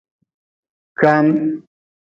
Kwaan.